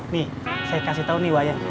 nih saya kasih tahu nih wak ya